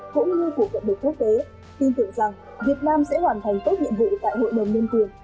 cũng như của cộng đồng quốc tế tin tưởng rằng việt nam sẽ hoàn thành tốt nhiệm vụ tại hội đồng nhân quyền